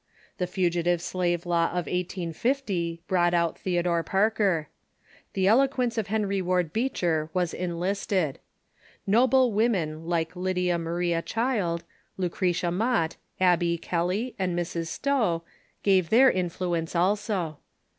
The Fugitive Slave Law of 1850 brought out Theodore Parker. The elo quence of Henry Ward Beecher was enlisted. Noble women like Lydia Maria Child, Lucretia Mott, Abby Kelly, and Mrs. Stowe gave their influence also.